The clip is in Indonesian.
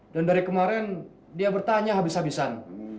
dan dari kemarin dia bertanya habis habisan